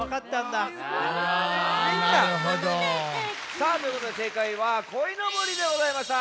さあということでせいかいは「こいのぼり」でございました。